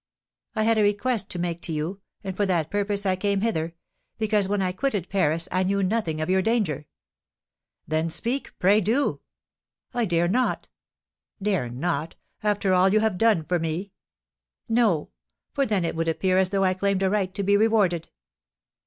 "I had a request to make to you, and for that purpose I came hither; because when I quitted Paris I knew nothing of your danger." "Then speak, pray do!" "I dare not." "Dare not, after all you have done for me?" "No; for then it would appear as though I claimed a right to be rewarded."